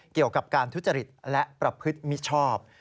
เกี่ยวกับการทุจริตและประพฤติมิชชอบ